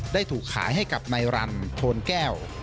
ได้ถูกขายให้กับนายรันโทนแก้ว